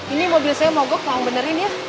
ini mobil saya mau gok mau benerin ya